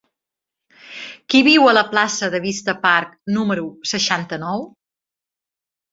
Qui viu a la plaça de Vista Park número seixanta-nou?